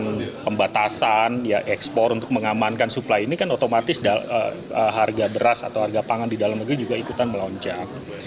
dengan pembatasan ya ekspor untuk mengamankan suplai ini kan otomatis harga beras atau harga pangan di dalam negeri juga ikutan melonjak